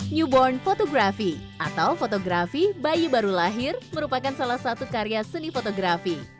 newborn photography atau fotografi bayi baru lahir merupakan salah satu karya seni fotografi